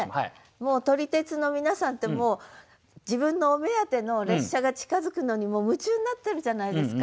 もう撮り鉄の皆さんってもう自分のお目当ての列車が近づくのに夢中になってるじゃないですか。